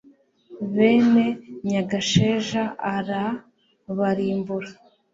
bene nyagasheja arabarimbura